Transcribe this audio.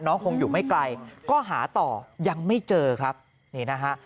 คงอยู่ไม่ไกลก็หาต่อยังไม่เจอครับนี่นะฮะ